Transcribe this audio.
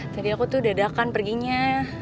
tadi aku tuh dadakan perginya